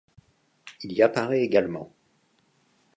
Il y apparaît également.